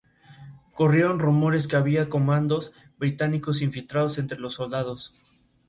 Hay que vivir el Ritual y las Tenidas.